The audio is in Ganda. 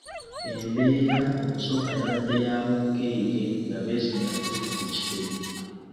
Embeera okusooka yabadde ya bunkenke nga Besigye atuuka ku kitebe.